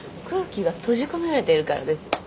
空気が閉じ込められているからです。